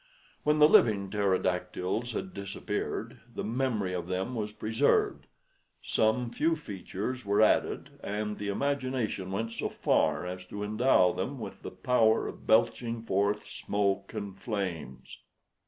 When the living pterodactyls had disappeared the memory of them was preserved; some new features were added, and the imagination went so far as to endow them with the power of belching forth smoke and flames.